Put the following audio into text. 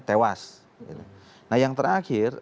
tewas nah yang terakhir